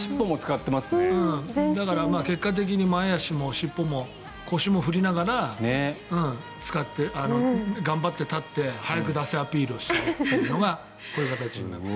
だから結果的に前足も尻尾も腰も振りながら使って頑張って立って早く出せアピールしているのがこういう形になっている。